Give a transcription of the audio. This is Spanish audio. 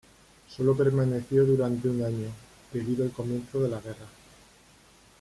Sólo permaneció durante un año, debido al comienzo de la guerra.